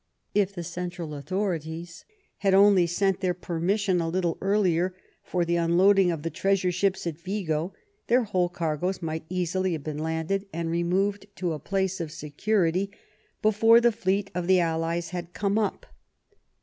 If the central authori ties had only sent their permission a little earlier for the unloading of the treasure ships at Vigo, their whole cargoes might easily have been landed and removed to a place of security before the fleet of the allies had come up.